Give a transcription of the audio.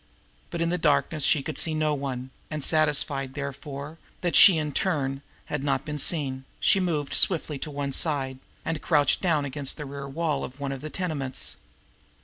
But in the darkness she could see no one, and satisfied, therefore, that she in turn had not been seen, she moved swiftly to one side, and crouched down against the rear wall of one of the tenements.